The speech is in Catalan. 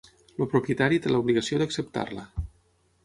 El propietari té l’obligació d’acceptar-la.